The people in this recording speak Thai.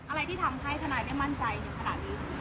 อะไรที่ทำให้ทนายได้มั่นใจถึงขนาดนี้